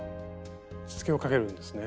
しつけをかけるんですね。